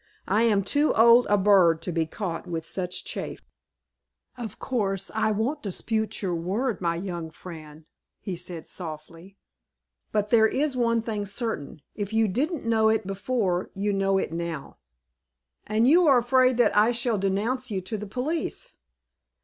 I am too old a bird to be caught with such chaff." "Of course, I won't dispute your word, my young friend," he said, softly; "but there is one thing certain; if you didn't know it before you know it now." "And you are afraid that I shall denounce you to the police."